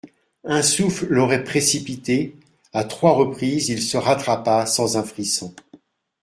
Un souffle l'aurait précipité, à trois reprises il se rattrapa, sans un frisson.